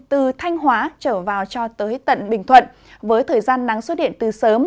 từ thanh hóa trở vào cho tới tận bình thuận với thời gian nắng xuất hiện từ sớm